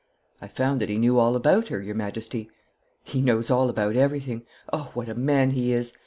'I found that he knew all about her, your Majesty.' 'He knows all about everything. Oh, what a man he is!